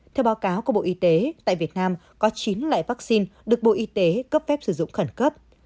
theo báo cáo của bộ y tế tại việt nam có chín loại vaccine được bộ y tế cấp phép sử dụng khẩn cấp